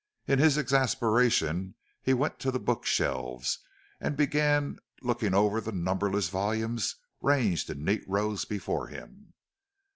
In his exasperation he went to the book shelves, and began looking over the numberless volumes ranged in neat rows before him.